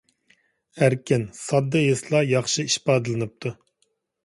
ئەركىن، ساددا ھېسلار ياخشى ئىپادىلىنىپتۇ!